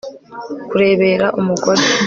kurebera umugore